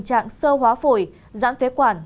tình trạng sơ hóa phổi giãn phế quản